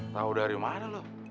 tahu dari mana loh